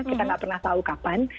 kita nggak pernah tahu kapan